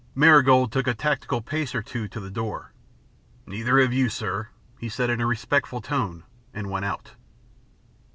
Marigold took a tactical pace or two to the door. "Neither have you, sir," he said in a respectful tone, and went out.